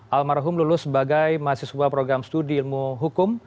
almarhum lulus sebagai mahasiswa program studi ilmu hukum